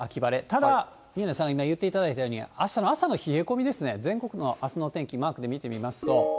ただ、宮根さん今言っていただいたように、あしたの朝の冷え込みですね、全国のあすの天気、マークで見てみますと。